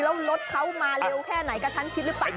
แล้วรถเขามาเร็วแค่ไหนกระชั้นชิดหรือเปล่า